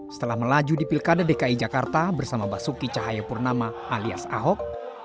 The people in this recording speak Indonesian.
setelah melaju di pilkada dki jakarta bersama basuki cahayapurnama alias ahok